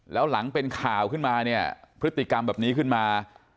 แล้วหลังเป็นข่าวขึ้นมาเนี่ยพฤติกรรมแบบนี้ขึ้นมา